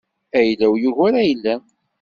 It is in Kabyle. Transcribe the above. Ayla-w yugar ayla-m.